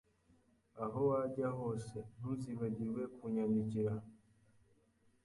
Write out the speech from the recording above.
Aho wajya hose, ntuzibagirwe kunyandikira.